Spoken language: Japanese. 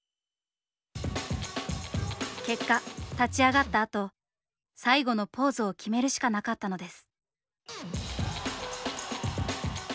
結果立ち上がったあと最後のポーズを決めるしかなかったのです。